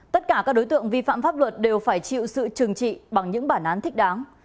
tất cả các đối tượng vi phạm pháp luật đều phải chịu sự trừng trị bằng những bản án thích đáng